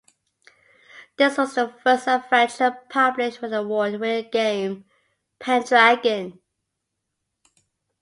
This was the first adventure published for the award winning game "Pendragon".